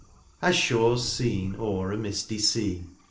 As shores seen o^er a misty sea.